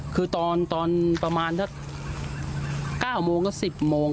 คือตอนประมาณสัก๙โมงก็๑๐โมง